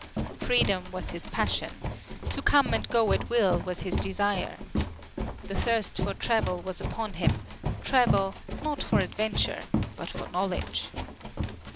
Freedom was his passion to come and go at will was his desire. The thirst for travel was upon him travel, not for adventure, but for knowledge.